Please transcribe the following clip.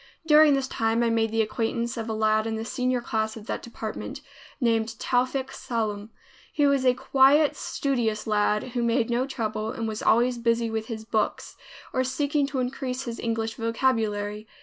During this time I made the acquaintance of a lad in the senior class of that department, named Towfik Sallum. He was a quiet, studious lad, who made no trouble and was always busy with his books or seeking to increase his English vocabulary.